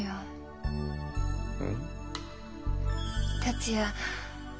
達也